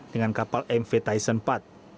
dengan kapal mv tyson empat